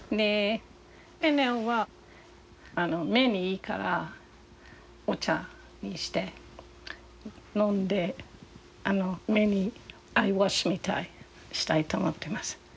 フェンネルは目にいいからお茶にして飲んで目にアイウォッシュみたいにしたいと思ってます。